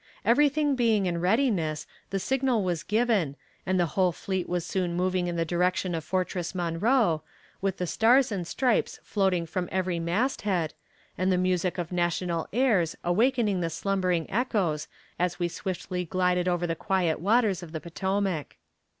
Everything being in readiness, the signal was given, and the whole fleet was soon moving in the direction of Fortress Monroe, with the stars and stripes floating from every mast head, and the music of national airs awakening the slumbering echoes as we swiftly glided over the quiet waters of the Potomac.